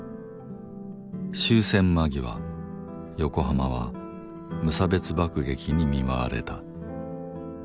終戦間際横浜は無差別爆撃に見舞われた。